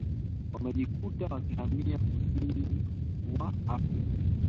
wamejikuta wakihamia kusini mwa Afrika